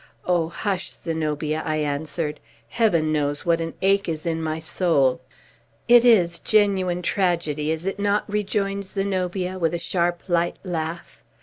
"Oh, hush, Zenobia!" I answered. "Heaven knows what an ache is in my soul!" "It is genuine tragedy, is it not?" rejoined Zenobia, with a sharp, light laugh.